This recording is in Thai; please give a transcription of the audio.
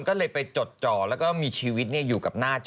ก็เลยไปจดจ่อแล้วก็มีชีวิตอยู่กับหน้าจอ